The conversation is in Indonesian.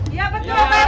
iya betul pak rt